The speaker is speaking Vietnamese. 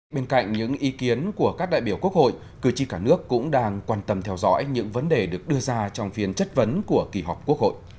bên cạnh những ý kiến của các đại biểu quốc hội cử tri cả nước cũng đang quan tâm theo dõi những vấn đề được đưa ra trong phiên chất vấn của kỳ họp quốc hội